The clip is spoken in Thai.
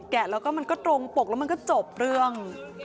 ะแล้วก็มันก็ตรงปกแล้วมันก็จบเรื่อง